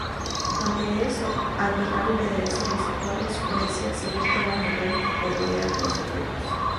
Ante esto, Aguilar le solicitó a los Breccia seguir trabajando en colorear los dibujos.